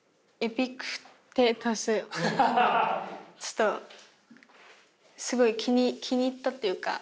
ちょっとすごい気に入ったというか。